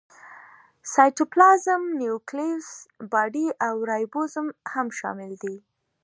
سایټوپلازم، نیوکلیوس باډي او رایبوزوم هم شامل دي.